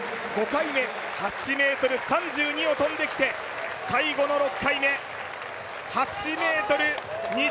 、５回目８ｍ３２を跳んできて最後の６回目、８ｍ２０ｃｍ。